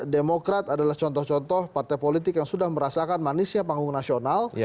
demokrat adalah contoh contoh partai politik yang sudah merasakan manisnya panggung nasional